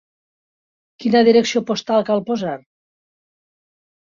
Quina direcció postal cal posar?